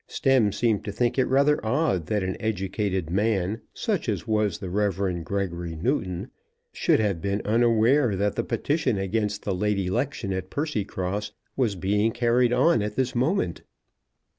Stemm seemed to think it rather odd that an educated man, such as was the Rev. Gregory Newton, should have been unaware that the petition against the late election at Percycross was being carried on at this moment.